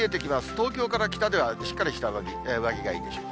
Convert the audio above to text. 東京から北では、しっかりした上着がいいでしょう。